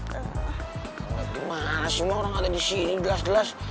gimana sih mak orang ada di sini gelas gelas